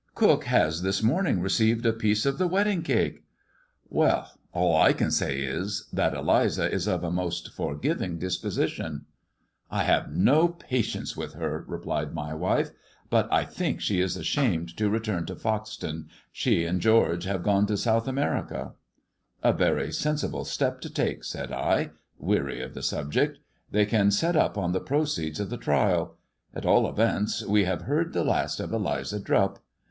Cook has this morning received a piece of the wedding cake." " Well, all I can say is, that Eliza is of a most forgiving disposition." " I have no patience with her," replied my wife. " But 328 THE RAINBOW CAMELLIA I think she is ashamed to return to Foxton. She and ^ George have gone to South America.' '', "A very sensible step to take," said I, weary of the subject. " They can set up on the proceeds of the trial At all events we have heard the last of Eliza Drupp."